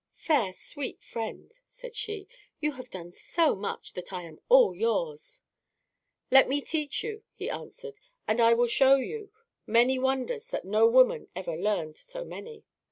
"Fair, sweet friend," said she, "you have done so much that I am all yours." "Let me teach you," he answered, "and I will show you many wonders that no woman ever learned so many."